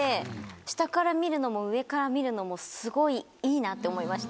下から見るのも上から見るのも。って思いました。